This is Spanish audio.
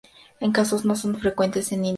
Estos casos no son infrecuentes en India.